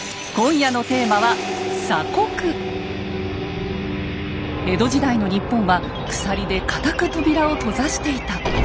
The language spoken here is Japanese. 今夜のテーマは江戸時代の日本は鎖で固く扉を閉ざしていた。